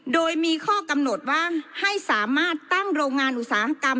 โดยมีข้อกำหนดว่าให้สามารถตั้งโรงงานอุตสาหกรรม